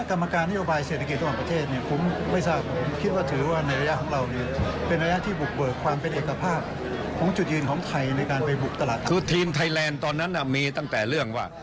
คือทีมไทยแลนด์ตอนนั้นมีตั้งแต่เรื่องว่า